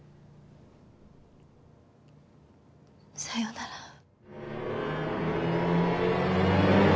さようなら。